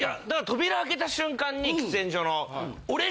扉開けた瞬間に喫煙所の。